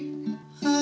はい。